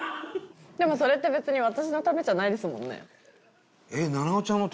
でもそれって別に私のためじゃないですもんね。